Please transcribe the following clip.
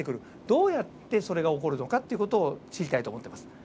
どうやってそれが起こるのかっていう事を知りたいと思ってます。